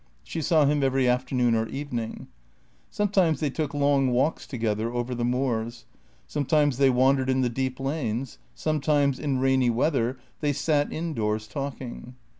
She saw him every afternoon or evening. Sometimes they took long walks together over the moors. Some times they wandered in the deep lanes. Sometimes, in rainy weather, they sat indoors, talking.